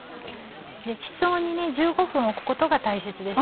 室温に１５分置くことが大切です。